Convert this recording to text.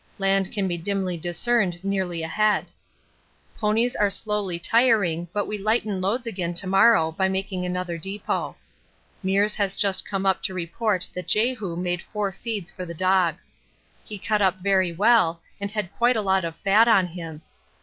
Land can be dimly discerned nearly ahead. The ponies are slowly tiring, but we lighten loads again to morrow by making another depôt. Meares has just come up to report that Jehu made four feeds for the dogs. He cut up very well and had quite a lot of fat on him.